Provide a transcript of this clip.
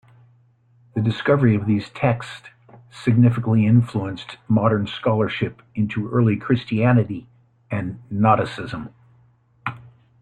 The discovery of these texts significantly influenced modern scholarship into early Christianity and Gnosticism.